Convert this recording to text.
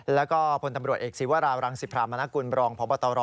แล้วก็ผลตำรวจเอกสิวาราวรังสิบหราบมนาคุณบรองพระบตรรอ